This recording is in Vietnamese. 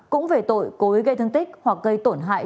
cũng về tội cố ý gây thương tích hoặc gây tổn hại